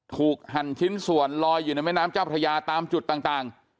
หั่นชิ้นส่วนลอยอยู่ในแม่น้ำเจ้าพระยาตามจุดต่าง